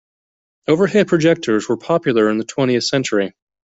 Overhead projectors were popular in the twentieth century.